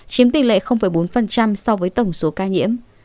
chiếm tỷ lệ bốn so với tổng số ca nhiễm